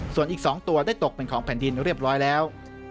ส่วนอีก๒ตัวได้ตกเป็นของแผ่นดินเรียบร้อยแล้ว